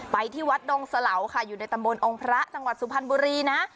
ไปที่วัดดงสลาวค่ะอยู่ในตำบลองค์พระจังหวัดสุพรรณบุรีนะ